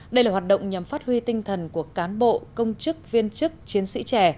đây là hoạt động nhằm phát huy tinh thần của cán bộ công chức viên chức chiến sĩ trẻ